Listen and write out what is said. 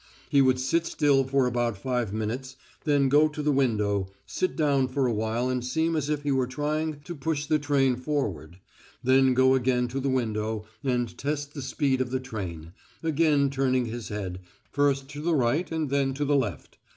He would sit still for about five minutes, then go to the window, sit down for a while and seem as if he were trying to push the train forward, then go again to the window and test the speed of the train, again turning his head, first to the right and then to the left.